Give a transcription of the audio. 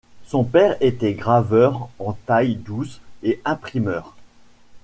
Son père était graveur en taille-douce et imprimeur.